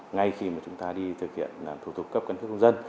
ngay khi mà chúng ta đi thực hiện thủ tục cấp căn cước công dân